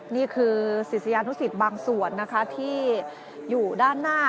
นี่คือศิษยานุสิตบางส่วนนะคะที่อยู่ด้านหน้า